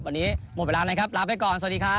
วันนี้หมดเวลานะครับลาไปก่อนสวัสดีครับ